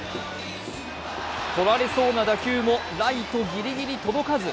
とられそうな打球もライトギリギリ届かず。